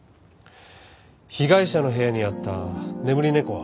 被害者の部屋にあった眠り猫は？